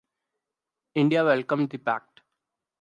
India welcomed the pact.